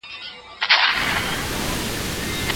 ځي لکه هوسۍ وي تورېدلې سارانۍ